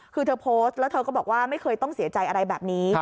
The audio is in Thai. คือเธอโพสต์แล้วเธอก็บอกว่าไม่เคยต้องเสียใจอะไรแบบนี้